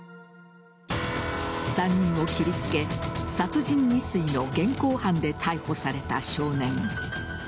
３人を切りつけ殺人未遂の現行犯で逮捕された少年。